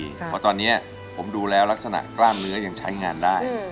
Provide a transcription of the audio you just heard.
เพราะตอนนี้ผมดูแล้วลักษณะกล้ามเนื้อยังใช้งานได้